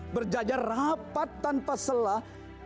berjajar rapat tanpa selah